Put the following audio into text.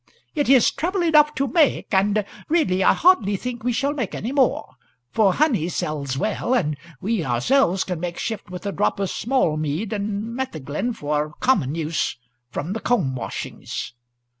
"It is trouble enough to make and really I hardly think we shall make any more. For honey sells well, and we can make shift with a drop o' small mead and metheglin for common use from the comb washings."